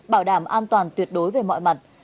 bảo đảm an toàn tuyệt đối về mọi mặt